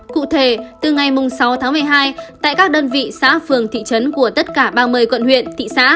cụ thể từ ngày sáu tháng một mươi hai tại các đơn vị xã phường thị trấn của tất cả ba mươi quận huyện thị xã